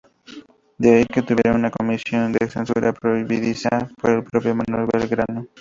De ahí que tuviera una Comisión de Censura, presidida por el propio Manuel Belgrano.